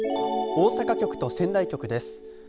大阪局と仙台局です。